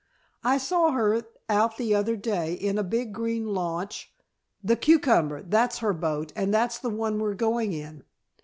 "I saw her out the other day, in a big green launch " "The Cucumber. That's her boat and that's the one we're going in."